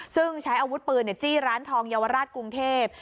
ซึ่งใช้อวุธปืนเนี่ยจี้ร้านทองยาวระราชกรุงเทพฯ